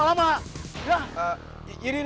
ya udah saya bantuin ya saya bantuin